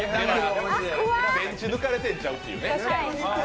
電池抜かれてんちゃうっていうね。